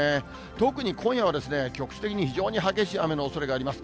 特に今夜は局地的に非常に激しい雨のおそれがあります。